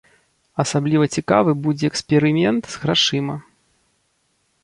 Асабліва цікавы будзе эксперымент з грашыма.